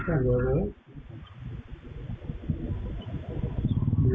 ตรงนี้ไม่มีร้อยไม่มีร้อย